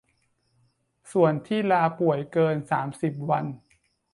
ส่วนที่ลาป่วยเกิน สามสิบ วัน